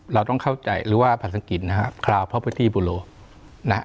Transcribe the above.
เราต้องเข้าใจหรือว่าพัฒนฐานกิจนะครับนะฮะ